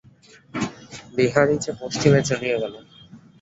বিহারী যে পশ্চিমে চলিয়া গেল।